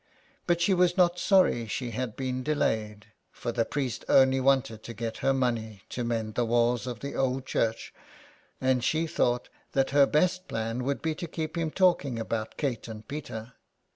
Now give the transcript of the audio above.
But she was not sorry she had been delayed, for the priest only wanted to get her money to mend the walls of the old church, and she thought that her best plan would be to keep him talking about Kate and Peter.